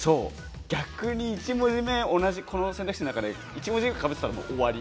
逆に、１文字目同じ選択肢だったら１文字目かぶってたら終わり。